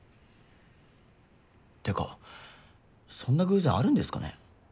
てかそんな偶然あるんですかね。